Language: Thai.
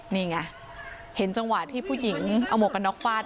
นี่ไงเห็นจังหวะที่ผู้หญิงเอาหมวกกันน็อกฟาด